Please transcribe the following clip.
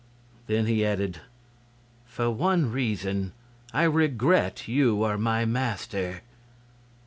Then he added: "For one reason, I regret you are my master."